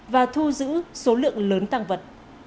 và thu giữ số lượng lớn tăng vật